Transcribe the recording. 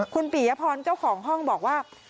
คุณปียพรเจ้าของห้องบอกว่า